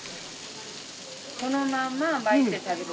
このまま巻いて食べる。